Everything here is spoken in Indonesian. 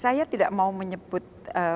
saya tidak mau menyebut